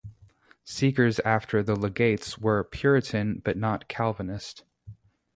Seekers after the Legates were Puritan but not Calvinist.